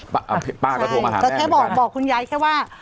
อ๋อป้าก็โทรมาหาแม่ใช่แต่แค่บอกบอกคุณยายแค่ว่า